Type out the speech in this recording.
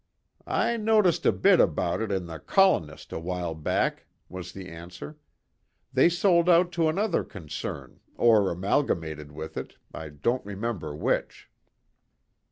"I noticed a bit about it in the Colonist a while back," was the answer. "They sold out to another concern, or amalgamated with it; I don't remember which."